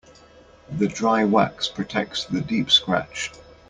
The dry wax protects the deep scratch.